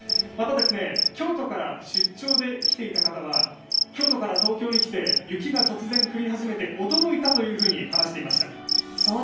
また、京都から出張で来ていた方は京都から東京に来て雪が突然降り始めて驚いたというふうに話していました。